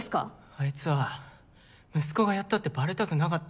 アイツは息子がやったってバレたくなかった。